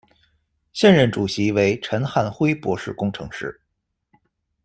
现任主席为陈汉辉博士工程师。